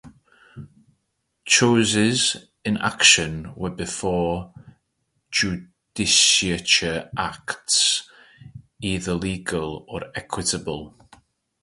Choses in action were, before the Judicature Acts, either legal or equitable.